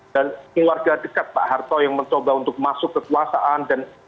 dan keluarga dekat pak harto yang mencoba untuk masuk kekuasaan dan